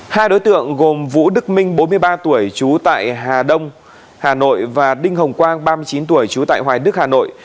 hai đối tượng gồm vũ đức minh bốn mươi ba tuổi trú tại hà đông hà nội và đinh hồng quang ba mươi chín tuổi trú tại hoài đức hà nội